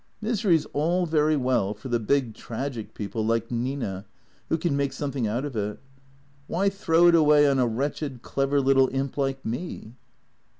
" Misery 's all very well for the big, tragic people like Nina, who can make something out of it. Why throw it away on a wretched, clever little imp like me